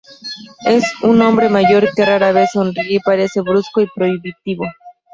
Es un hombre mayor que rara vez sonríe y parece brusco y prohibitivo.